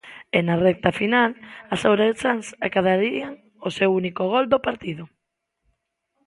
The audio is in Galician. E na recta final as ourensás acadarían o seu único gol do partido.